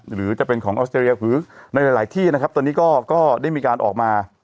หรือจะเป็นของในหลายหลายที่นะครับตอนนี้ก็ก็ได้มีการออกมา